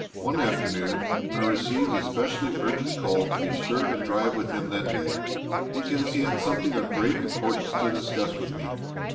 One afternoon I received a specially urgent call to be sure and drive with him that day, because he had something of great importance to discuss with me.